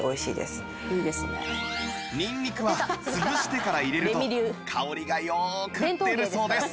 にんにくはつぶしてから入れると香りがよく出るそうです